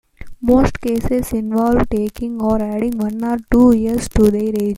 Most cases involve taking or adding one or two years to their age.